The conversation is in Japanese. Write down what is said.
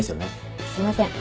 すいません。